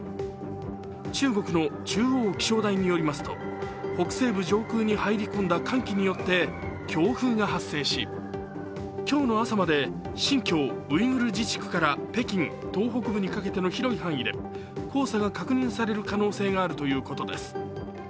中国の中央気象台によりますと北西部上空に入り込んだ寒気によって強風が発生し、今日の朝まで新疆ウイグル自治区から北京東北部にかけての広い範囲で黄砂が確認される可能性があるということです。